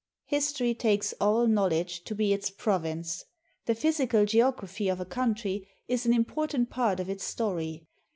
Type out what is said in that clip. History takes all knowledge to be its province. The physical geography of a country is an important part of its story.